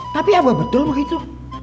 tapi apa betul begitu